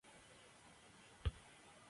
Su marido dirigió los trabajos en el sitio.